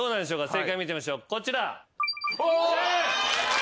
正解見てみましょうこちら。